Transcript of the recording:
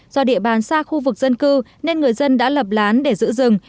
do địa bàn xa khu vực dân cư nên người dân đã lập lán để giữ rừng